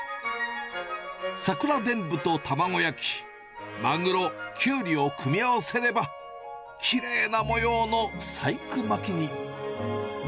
サクラでんぶと卵焼き、マグロ、キュウリを組み合わせれば、きれいな模様の細工巻きに。